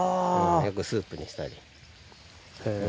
よくスープにしたり。